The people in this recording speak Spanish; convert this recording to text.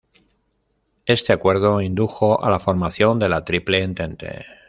Este acuerdo indujo a la formación de la Triple Entente.